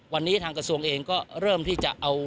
วันนี้ทางกระทรวงเองก็เริ่มที่จะเอา